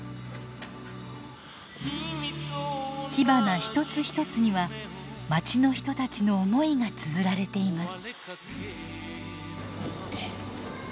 火花一つ一つにはまちの人たちの思いがつづられています。